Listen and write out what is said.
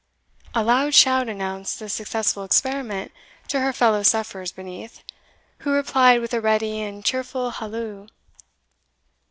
A loud shout announced the successful experiment to her fellow sufferers beneath, who replied with a ready and cheerful halloo.